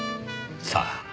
さあ？